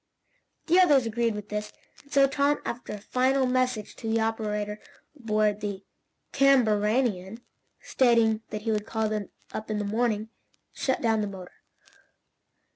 The others agreed with this, and so Tom, after a final message to the operator aboard the CAMBARANIAN stating that he would call him up in the morning, shut down the motor.